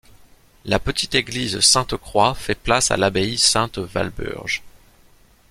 La petite église Sainte-Croix fait place à l'abbaye Sainte-Walburge.